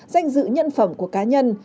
danh dự nhân phẩm của cá nhân